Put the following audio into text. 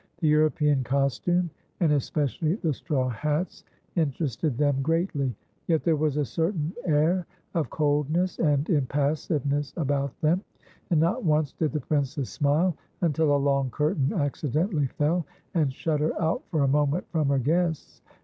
The European costume, and especially the straw hats, interested them greatly. Yet there was a certain air of coldness and impassiveness about them, and not once did the princess smile, until a long curtain accidentally fell, and shut her out for a moment from her guests.